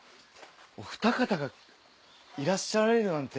おふた方がいらっしゃられるなんて。